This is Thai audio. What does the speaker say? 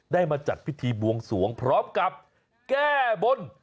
มาจัดพิธีบวงสวงพร้อมกับแก้บน